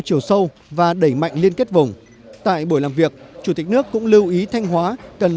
chiều sâu và đẩy mạnh liên kết vùng tại buổi làm việc chủ tịch nước cũng lưu ý thanh hóa cần